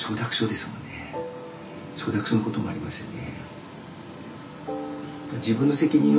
承諾書のこともありますよね。